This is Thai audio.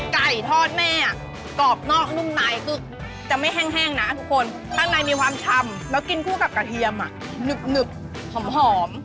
ไก่ทอดแม่กรอบนอกนุ่มในคือจะไม่แห้งนะทุกคนข้างในมีความชำแล้วกินคู่กับกระเทียมหนึบหอม